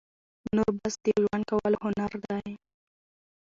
نور بس د ژوند کولو هنر دى،